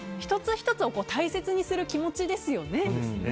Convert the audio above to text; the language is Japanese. １つ１つを大切にする気持ちですよね。